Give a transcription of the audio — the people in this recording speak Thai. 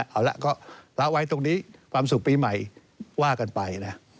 เอาละก็ละไว้ตรงนี้ความสุขปีใหม่ว่ากันไปนะ